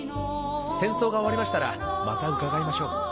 戦争が終わりましたらまた伺いましょう。